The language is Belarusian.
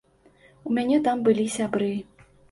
У мяне там былі сябры.